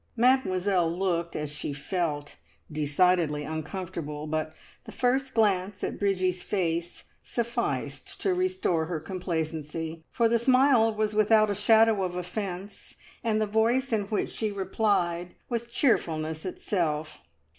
Mademoiselle looked, as she felt, decidedly uncomfortable, but the first glance at Bridgie's face sufficed to restore her complacency, for the smile was without a shadow of offence, and the voice in which she replied was cheerfulness itself.